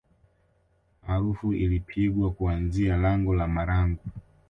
Maarufu ilipigwa kuanzia lango la marangu